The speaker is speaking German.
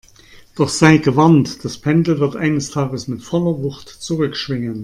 Doch sei gewarnt, das Pendel wird eines Tages mit voller Wucht zurückschwingen!